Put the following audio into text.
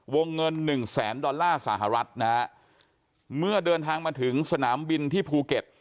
วงเงินหนึ่งแสนดอลลาร์สหรัฐนะฮะเมื่อเดินทางมาถึงสนามบินที่ภูเก็ต